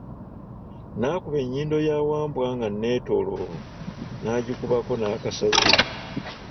N'akuba ennyindo ya Wambwa nga nettolovu n'agikubako n'akasaze.